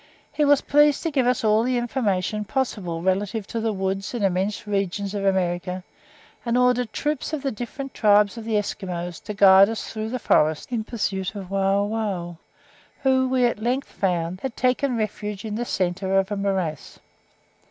He was pleased to give us all the information possible relative to the woods and immense regions of America, and ordered troops of the different tribes of the Esquimaux to guide us through the forests in pursuit of Wauwau, who, we at length found, had taken refuge in the centre of a morass.